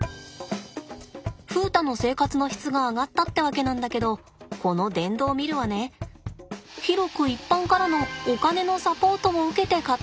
風太の生活の質が上がったってわけなんだけどこの電動ミルはね広く一般からのお金のサポートも受けて買ったんだって。